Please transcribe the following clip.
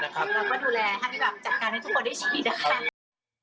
เราก็ดูแลให้แบบจัดการให้ทุกคนได้ดีนะคะ